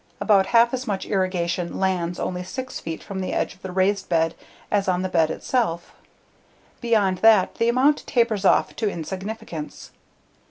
About half as much irrigation lands only 6 feet from the edge of the raised bed as on the bed itself. Beyond that the amount tapers off to insignificance.